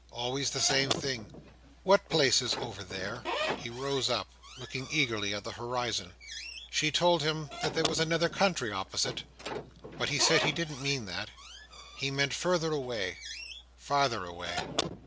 Always the same thing. What place is over there?" He rose up, looking eagerly at the horizon. She told him that there was another country opposite, but he said he didn't mean that: he meant further away—farther away!